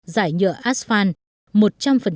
giải nhựa asphalt một trăm linh trang trọng